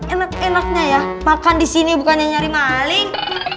enak enaknya ya makan di sini bukannya nyari maling